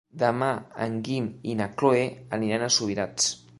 Demà en Guim i na Cloè aniran a Subirats.